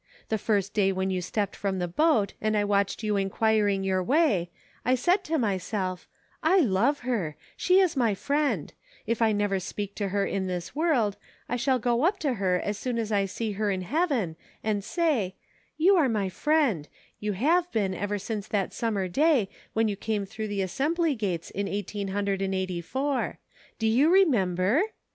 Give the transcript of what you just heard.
The first day when you stepped frorri the boat and I watched you inquiring your way, I said to myself :* I love her ; she is my friend ; if I never speak to her in this world, I shall go up to her as soon as I see her in heaven and say :" You are my friend ; you have been ever since that summer day when you came through t^e assembly gates in EVOLUTION. 249 eighteen hundred and eighty four. Do you re member